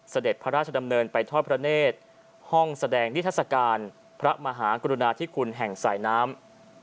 เสด็จพระราชดำเนินไปทอดพระเนธห้องแสดงนิทัศกาลพระมหากรุณาธิคุณแห่งสายน้ำ